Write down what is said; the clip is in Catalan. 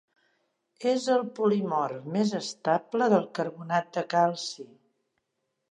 És el polimorf més estable del carbonat de calci.